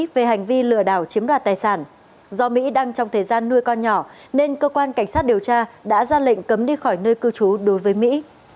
về hành vi lừa đảo chiếm đoạt tài sản do mỹ đang trong thời gian nuôi con nhỏ nên cơ quan cảnh sát điều tra đã ra lệnh cấm đi khỏi nơi cư trú đối với mỹ